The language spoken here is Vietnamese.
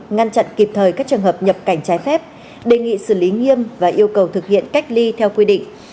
ngăn chặn kịp thời các trường hợp nhập cảnh trái phép đề nghị xử lý nghiêm và yêu cầu thực hiện cách ly theo quy định